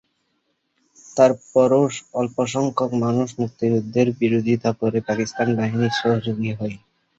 তার পরও অল্পসংখ্যক মানুষ মুক্তিযুদ্ধের বিরোধিতা করে পাকিস্তানি বাহিনীর সহযোগী হয়।